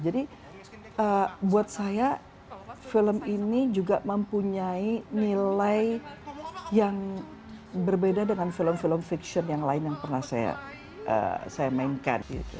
jadi buat saya film ini juga mempunyai nilai yang berbeda dengan film film fiction yang lain yang pernah saya sejarah